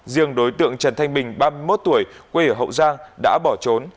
riêng đối tượng trần thanh bình ba mươi một tuổi quê ở hậu giang đã bỏ trốn